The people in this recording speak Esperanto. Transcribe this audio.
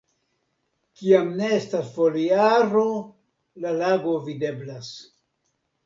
Kiam ne estas foliaro, la lago videblas.